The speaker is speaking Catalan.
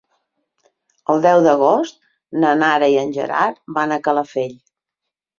El deu d'agost na Nara i en Gerard van a Calafell.